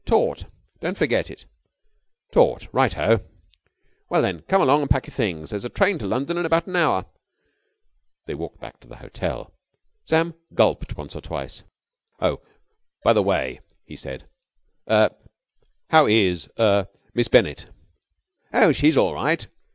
Tort. Don't forget it." "Tort. Right ho!" "Well, then, come along and pack your things. There's a train to London in about an hour." They walked back to the hotel. Sam gulped once or twice. "Oh, by the way," he said, "Er how is er Miss Bennett?" "Oh, she's all right."